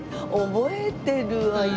「覚えてるわよ。